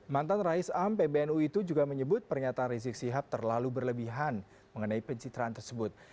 mantan rais am pbnu itu juga menyebut pernyataan rizik sihab terlalu berlebihan mengenai pencitraan tersebut